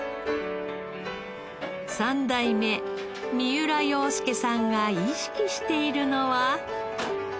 ３代目三浦洋介さんが意識しているのは？